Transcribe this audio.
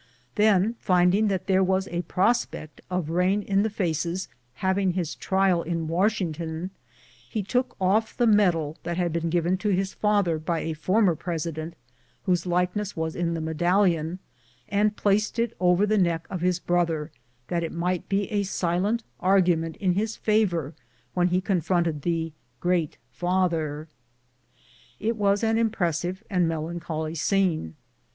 Then find ing that there was a prospect of Rain in the face having his trial in Washington, he took off the medal that had been given to his father by a former president, whose likeness was in the medallion, and placed it over the neck of his brother, that it might be a silent argument in his favor when he confronted the " Great Father." It was an impressive and melancholy scene.